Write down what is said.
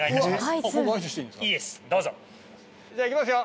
じゃあいきますよ。